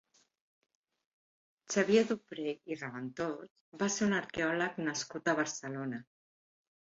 Xavier Dupré i Raventós va ser un arqueòleg nascut a Barcelona.